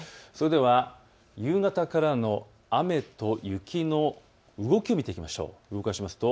それでは夕方からの雨と雪の動きを見ていきましょう。